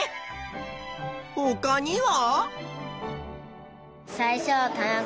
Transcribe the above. ほかには？